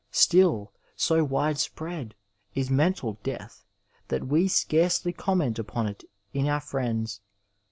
Still, so widespread is mental death that we scarcely comment upon it in our friends.